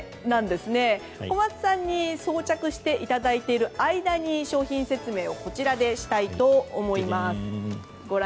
小松さんに装着していただいている間に商品説明をしたいと思います。